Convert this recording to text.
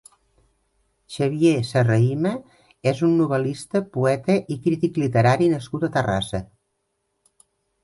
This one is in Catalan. Xavier Serrahima és un novel·lista, poeta i crític literari nascut a Terrassa.